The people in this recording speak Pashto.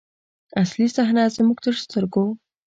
اصلي صحنه زموږ تر سترګو.